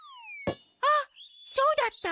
あっそうだった！